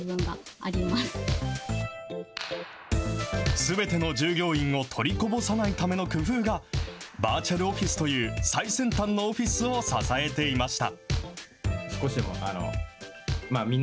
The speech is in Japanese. すべての従業員を取りこぼさないための工夫が、バーチャルオフィスという最先端のオフィスを支えていました。